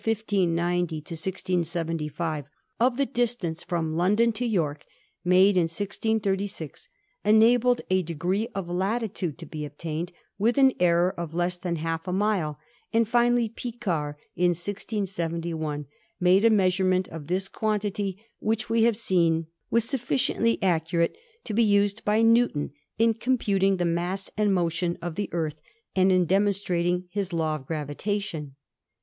] i675) of the distance from London to York, made in 1636, enabled a degree of latitude to be obtained with an error of less than half a mile, and finally Picard, in 1671, made a measurement of this quan tity, which we have seen was sufficiently accurate to be used by Newton in computing the mass and motion of the Earth and in demonstrating his law of gravitation.